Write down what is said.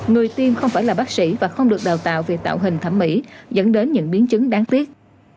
người tiêm không phải là bác sĩ và không được đào tạo về tạo hình thẩm mỹ dẫn đến những biến chứng đáng tiếc